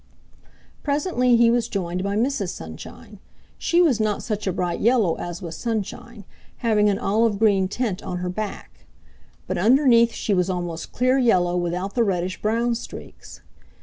Presently he was joined by Mrs. Sunshine. She was not such a bright yellow as was Sunshine, having an olive green tint on her back. But underneath she was almost clear yellow without the reddish brown streaks.